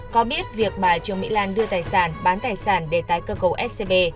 có biết việc bà trương mỹ lan đưa tài sản bán tài sản để tái cơ cấu scb